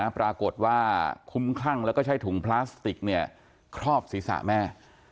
ปรากฏว่าคุ้มคลั่งแล้วก็ใช้ถุงพลาสติกครอบศีรษะแม่